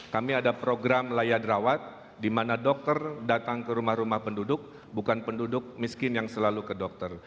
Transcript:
kami ada program layadrawat di mana dokter datang ke rumah rumah penduduk bukan penduduk miskin yang selalu ke dokter